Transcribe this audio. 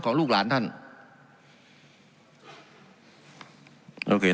การปรับปรุงทางพื้นฐานสนามบิน